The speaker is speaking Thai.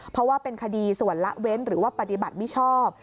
เพราะว่าเป็นคดีส่วนละเว้นหรือว่าปฏิบัติมิชอบ